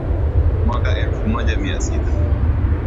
mwaka elfu moja mia tisa kumi na sabaMpaka karne ya kumi na nane